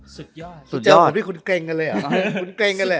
สุดยอดสุดยอดพี่เจอกับพี่คุณเกร็งกันเลยเหรอ